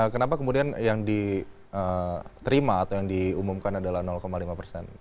kenapa kemudian yang diterima atau yang diumumkan adalah lima persen